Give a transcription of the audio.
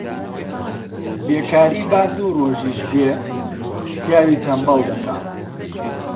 بێکاری، با دوو ڕۆژیش بێ، پیاوی تەنبەڵ دەکا